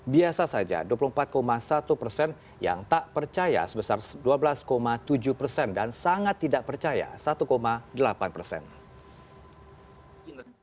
biasa saja dua puluh empat satu persen yang tak percaya sebesar dua belas tujuh persen dan sangat tidak percaya satu delapan persen